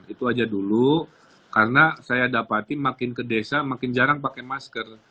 itu aja dulu karena saya dapati makin ke desa makin jarang pakai masker